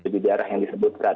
di daerah yang disebutkan